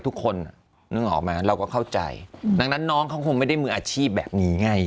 ทุกคนนึกออกไหมเราก็เข้าใจดังนั้นน้องเขาคงไม่ได้มืออาชีพแบบนี้ไง